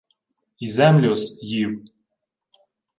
— І землю-с їв...